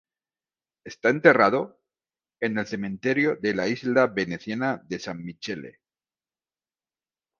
Está enterrado en el cementerio de la isla veneciana de San Michele.